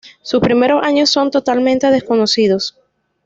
Sus primeros años son totalmente desconocidos.